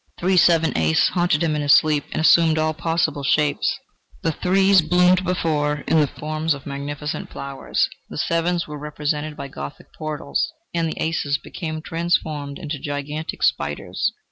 "Three, seven, ace" haunted him in his sleep, and assumed all possible shapes. The threes bloomed before him in the forms of magnificent flowers, the sevens were represented by Gothic portals, and the aces became transformed into gigantic spiders.